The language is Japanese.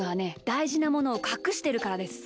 だいじなものをかくしてるからです。